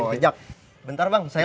paling bagus ada kita